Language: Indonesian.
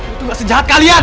itu sejahat kalian